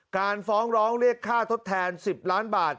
การฟ้องร้องเรียกค่าทดแทน๑๐ล้านบาท